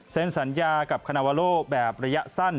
สัญญากับคณาวาโลแบบระยะสั้น